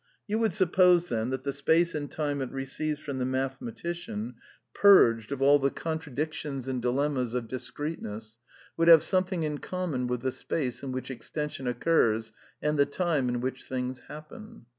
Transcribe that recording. You would suppose, then, that the space and time it re ceives from the mathematician, purged of all the contra \ 226 A DEFENCE OF IDEALISM dictions and dilemmas of discreteness, would have some thing in common with the space in which extension occurs and the time in which things happen.